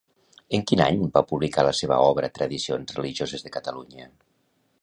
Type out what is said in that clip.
En quin any va publicar la seva obra Tradicions religioses de Catalunya?